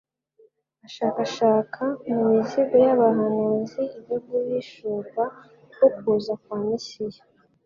ashakashaka mu mizingo y'abahanuzi ibyo guhishurwa ko kuza kwa Mesiya